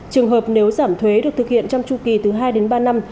trường hợp nếu giảm thuế được thực hiện trong chư kỳ từ hai ba năm